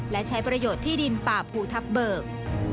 และใช้ประโยชน์ที่ดินป่าภูทับเบิก